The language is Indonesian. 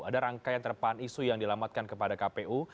ada rangkaian terpahan isu yang dilamatkan kepada kpu